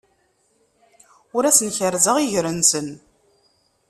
Ur asen-kerrzeɣ iger-nsen.